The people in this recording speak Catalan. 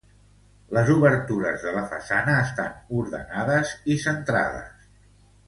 Les obertures de la façana estan ordenades i centrades.